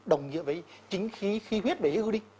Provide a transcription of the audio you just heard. đồng nghĩa với chính khí khí huyết bị hư đi